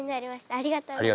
ありがとうございます。